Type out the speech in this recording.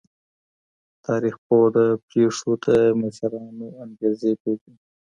تاریخ پوه د پیښو د مشرانو انګیزې پیژني.